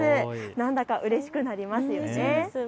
なんだか、うれしくなりますよね。